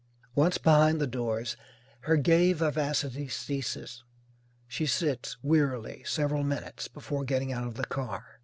Once behind the doors her gay vivacity ceases. She sits, wearily, several minutes, before getting out of the car.